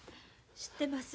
知ってます。